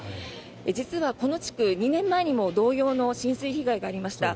実はこの地区、２年前にも同様の浸水被害がありました。